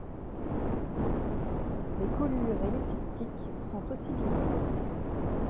Les colures et l'écliptique sont aussi visibles.